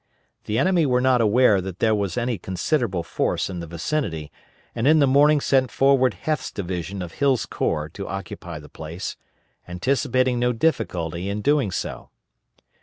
The enemy were not aware that there was any considerable force in the vicinity, and in the morning sent forward Heth's division of Hill's corps to occupy the place, anticipating no difficulty in doing so.